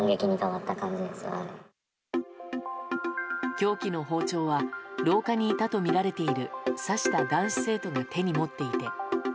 凶器の包丁は廊下にいたとみられている刺した男子生徒が手に持っていて。